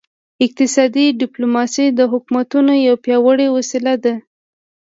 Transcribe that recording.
اقتصادي ډیپلوماسي د حکومتونو یوه پیاوړې وسیله ده